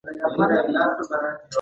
موټر لوی نعمت دی.